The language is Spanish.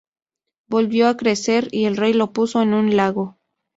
Volvió a crecer y el rey lo puso en un lago.